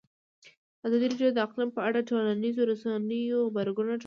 ازادي راډیو د اقلیم په اړه د ټولنیزو رسنیو غبرګونونه راټول کړي.